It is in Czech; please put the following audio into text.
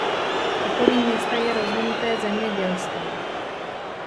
V okolí města je rozvinuté zemědělství.